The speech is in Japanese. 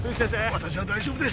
私は大丈夫です